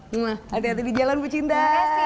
hati hati di jalan ibu cinta